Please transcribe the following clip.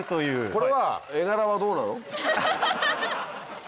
これは画柄はどうなの？